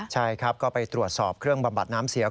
ใช่ครับก็ไปตรวจสอบเครื่องบำบัดน้ำเสียว